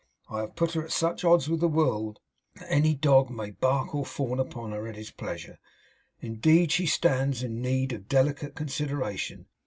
I have put her at such odds with the world, that any dog may bark or fawn upon her at his pleasure. Indeed she stands in need of delicate consideration.